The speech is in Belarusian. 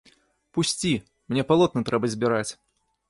Пусці, мне палотны трэба збіраць.